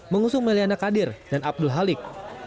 mengusung meliana kadir dan abdul halik